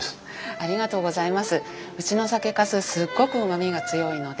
ありがとうございます。